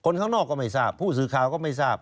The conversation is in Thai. ข้างนอกก็ไม่ทราบผู้สื่อข่าวก็ไม่ทราบ